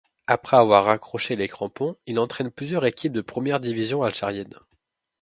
Après avoir raccroché les crampons, il entraîne plusieurs équipes de première division algérienne.